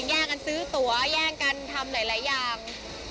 แย่งกันซื้อตัวแย่งกันทำหลายอย่าง